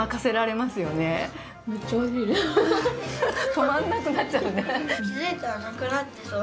止まらなくなっちゃうね。